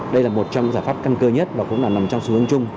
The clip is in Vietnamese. đây là một trong những giải pháp căn cơ nhất và cũng là nằm trong xu hướng chung